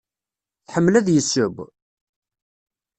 Tḥemmel ad yesseww?